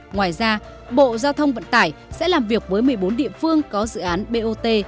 ngoài ra bộ giao thông vận tải sẽ làm việc với một mươi bốn địa phương có dự án bot